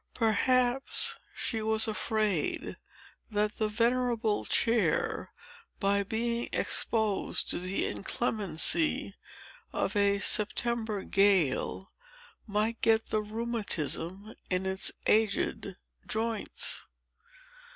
Perhaps she was afraid that the venerable chair, by being exposed to the inclemency of a September gale, might get the rheumatism in its aged joints.